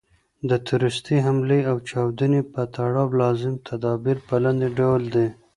د تروریستي حملې او چاودني په تړاو لازم تدابیر په لاندي ډول دي.